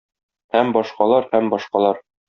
Һәм башкалар, һәм башкалар...